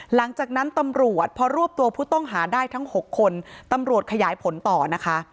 หลังจากนั้นตำรวจพอรวบตัวผู้ต้องหาได้ทั้ง๖คนตำรวจขยายผลต่อนะคะ